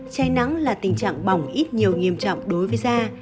chai nắng là tình trạng bỏng ít nhiều nghiêm trọng đối với da